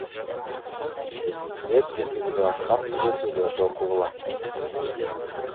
Силер киргизилип жаткан түзөтүүлөрдү окугула.